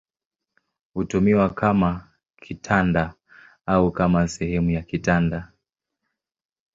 Hutumiwa kama kitanda au kama sehemu ya kitanda.